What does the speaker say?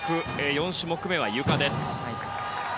４種目めはゆかです。